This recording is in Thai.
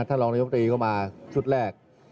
ทรนทรีศ์ก็มาอีกชุดแรก